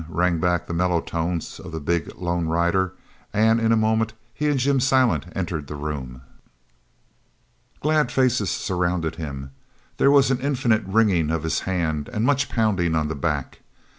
rang back the mellow tones of the big lone rider, and in a moment he and Jim Silent entered the room. Glad faces surrounded him. There was infinite wringing of his hand and much pounding on the back.